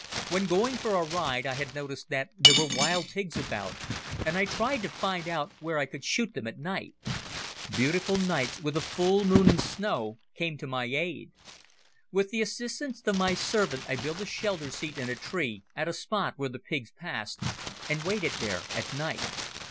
When going for a ride I had noticed that there were wild pigs about and I tried to find out where I could shoot them at night. Beautiful nights, with a full moon and snow, came to my aid. With the assistance of my servant I built a shelter seat in a tree, at a spot where the pigs passed, and waited there at night.